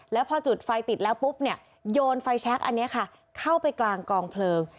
แล้วพอจุดไฟติดแล้วปุ๊บเนี่ยโยนไฟแชคอันนี้ค่ะเข้าไปกลางกองเพลิง